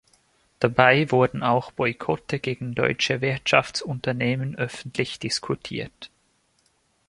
Dabei wurden auch Boykotte gegen deutsche Wirtschaftsunternehmen öffentlich diskutiert.